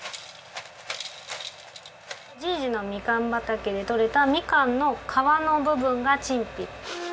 じぃじのみかん畑でとれたみかんの皮の部分が陳皮。